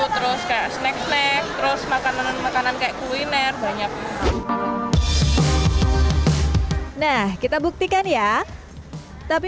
terus kayak snack snack terus makanan makanan kayak kuliner banyak nah kita buktikan ya tapi